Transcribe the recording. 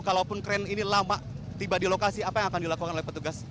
kalaupun kren ini lama tiba di lokasi apa yang akan dilakukan oleh petugas